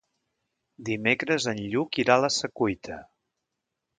Dimecres en Lluc irà a la Secuita.